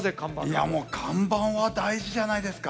いやもう看板は大事じゃないですか。